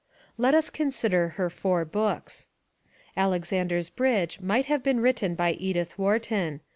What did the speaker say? Let us consider her four books. Alexander's Bridge might have been written by Edith Wharton.